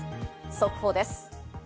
速報です。